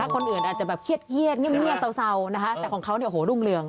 คนอื่นอาจจะแบบเครียดเงียบเศร้านะคะแต่ของเขาเนี่ยโอ้โหรุ่งเรือง